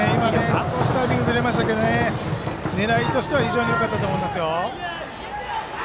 少しタイミングずれましたが狙いとしてはよかったと思います。